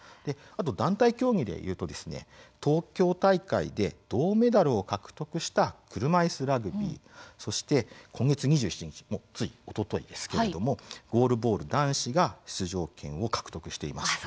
団体競技でいうと東京大会で銅メダルを獲得した車いすラグビーそして今月２７日つい、おとといですけれどもゴールボールの男子が出場権を獲得しました。